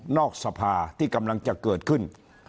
สภาที่กำลังจะเกิดขึ้น